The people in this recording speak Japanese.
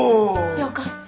よかったぁ。